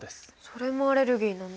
それもアレルギーなんだ。